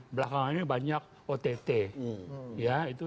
belakangannya banyak ott